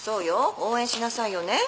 応援しなさいよね。